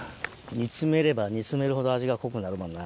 煮詰めれば煮詰めるほど味が濃くなるもんな。